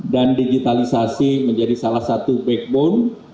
dan digitalisasi menjadi salah satu backbone